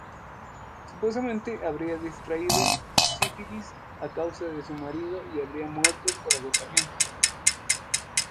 Supuestamente habría contraído sífilis a causa de su marido y habría muerto por agotamiento.